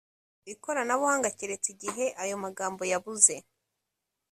ikoranabuhanga keretse igihe ayomagambo yabuze